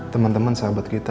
temen temen sahabat kita